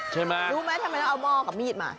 ใช่ไหมรู้ไหมทำไมต้องเอาหม้อกับมีดมา